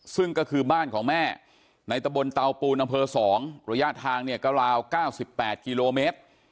ซึ่งก็คือบ้านของแม่ในตะบนเตาปูนอำเภอ๒ระยะทางเนี่ยก็ราว๙๘กิโลเมตร